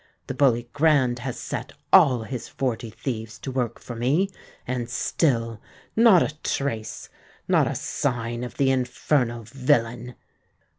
The Bully Grand has set all his Forty Thieves to work for me; and still not a trace—not a sign of the infernal villain!"